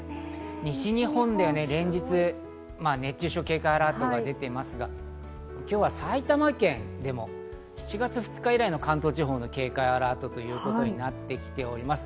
西日本では連日熱中症警戒アラートが出ていますが、今日は埼玉県でも７月２日以来の関東地方の警戒アラートとなってきております。